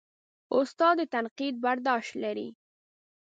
استاد د تنقید برداشت لري.